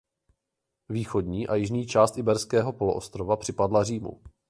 Východní a jižní část Iberského poloostrova připadla Římu.